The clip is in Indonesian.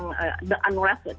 disebut protes yang diberikan di dc